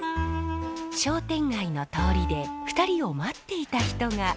商店街の通りで２人を待っていた人が。